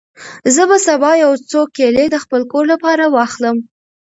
زه به سبا یو څو کیلې د خپل کور لپاره واخلم.